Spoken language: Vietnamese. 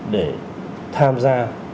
để tham gia